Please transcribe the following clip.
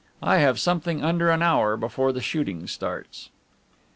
"I have something under an hour before the shooting starts!"